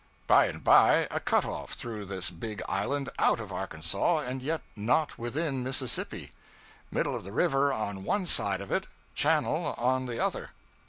By and by a cut off threw this big island out of Arkansas, and yet not within Mississippi. 'Middle of the river' on one side of it, 'channel' on the other.